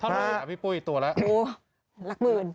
ถ้าไม่เห็นกับพี่ปุ้ยตัวละโอ้โฮลักมืน